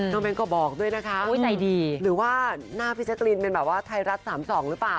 น้องแบงค์ก็บอกด้วยนะคะหรือว่าหน้าพี่เจ๊กรีนเป็นแบบว่าไทยรัฐสามสองหรือเปล่า